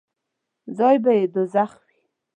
ځای به یې دوږخ وي.